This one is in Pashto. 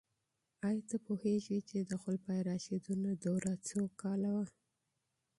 آیا ته پوهیږې چې د خلفای راشدینو دوره څو کاله وه؟